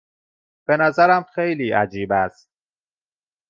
به نظرم خیلی عجیب است.